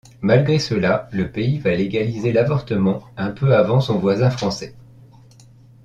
Malgré cela, le pays va légaliser l'avortement un peu avant son voisin français.